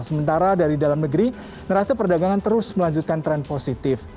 sementara dari dalam negeri neraca perdagangan terus melanjutkan tren positif